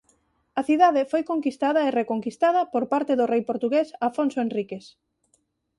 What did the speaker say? A cidade foi conquistada e reconquistada por parte do rei portugués Afonso Henriques.